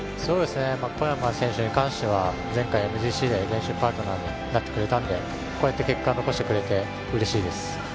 小山選手に関してはＭＧＣで練習パートナーになってくれたのでこうやって結果を残してくれてうれしいです。